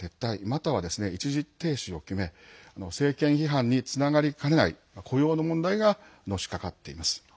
または一時停止を決め政権批判につながりかねない雇用の問題がのしかかっています。